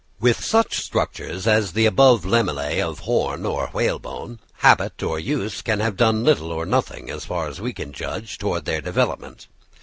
With such structures as the above lamellæ of horn or whalebone, habit or use can have done little or nothing, as far as we can judge, towards their development.